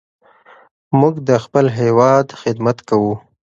موږ د خپل هېواد خدمت کوو.